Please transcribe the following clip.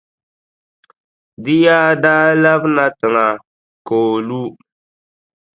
Di yaa daa labina tiŋa ka o lu.